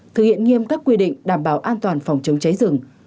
thực hiện nghiêm các quy định đảm bảo an toàn phòng chống cháy rừng